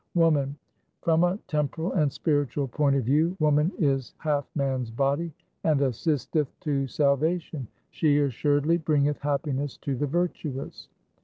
1 Woman :— From a temporal and spiritual point of view woman is half man's body and assisteth to salvation. She assuredly bringeth happiness to the virtuous.